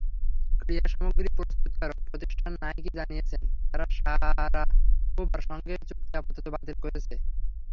ক্রীড়াসামগ্রী প্রস্তুতকারক প্রতিষ্ঠান নাইকি জানিয়েছে, তারা শারাপোভার সঙ্গে চুক্তি আপাতত বাতিল করেছে।